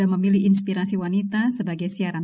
marilah siapa yang mau